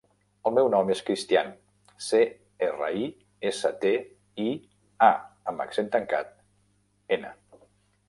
El meu nom és Cristián: ce, erra, i, essa, te, i, a amb accent tancat, ena.